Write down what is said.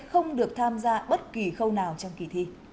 không được tham gia bất kỳ khâu nào trong kỳ thi